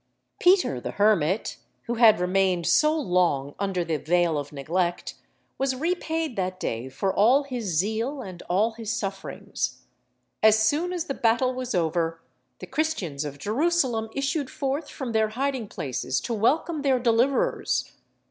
Peter the Hermit, who had remained so long under the veil of neglect, was repaid that day for all his zeal and all his sufferings. As soon as the battle was over, the Christians of Jerusalem issued forth from their hiding places to welcome their deliverers.